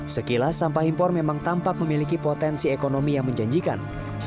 sekilas sampah impor memang tampak memiliki potensi ekonomi yang menjanjikan